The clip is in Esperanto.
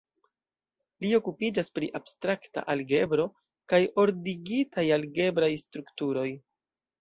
Li okupiĝas pri abstrakta algebro kaj ordigitaj algebraj strukturoj.